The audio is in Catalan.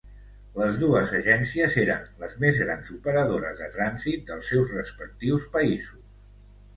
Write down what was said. Les dues agències eren les més grans operadores de trànsit dels seus respectius països.